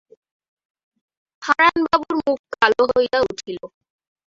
হারানবাবুর মুখ কালো হইয়া উঠিল।